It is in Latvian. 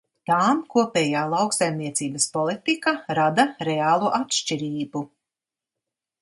Tām kopējā lauksaimniecības politika rada reālu atšķirību.